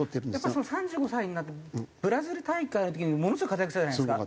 やっぱり３５歳になってブラジル大会の時にものすごい活躍したじゃないですか。